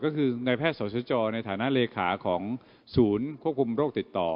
ก็คือในแพทย์สจในฐานะเลขาของศูนย์ควบคุมโรคติดต่อ